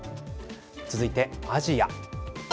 続いて、アジア。